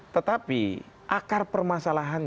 tetapi akar permasalahan